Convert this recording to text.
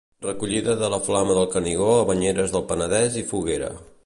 Recollida de la Flama del Canigó a Banyeres del Penedès i foguera.